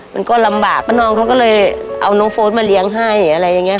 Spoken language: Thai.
มันก็ลำบากป้าน้องเขาก็เลยเอาน้องโฟสมาเลี้ยงให้อะไรอย่างเงี้